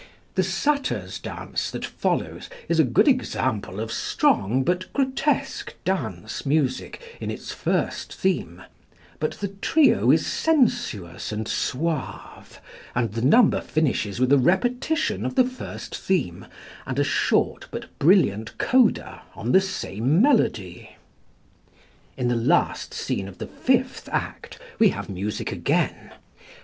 The Satyrs' dance that follows is a good example of strong but grotesque dance music in its first theme, but the trio is sensuous and suave, and the number finishes with a repetition of the first theme and a short but brilliant coda on the same melody. In the last scene of the fifth act we have music again.